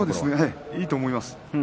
いいと思います。